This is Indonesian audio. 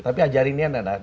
tapi ajarinnya nanda